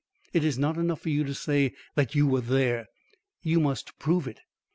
It is not enough for you to say that you were there; you must prove it."